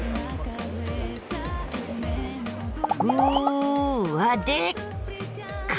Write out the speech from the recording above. うわでっか！